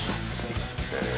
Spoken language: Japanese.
へえ。